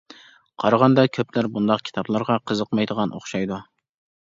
قارىغاندا كۆپلەر بۇنداق كىتابلارغا قىزىقمايدىغان ئوخشايدۇ.